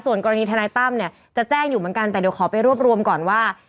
ส่วนกรณีทนายตั้มเนี่ยจะแจ้งอยู่เหมือนกันแต่เดี๋ยวขอไปรวบรวมก่อนว่า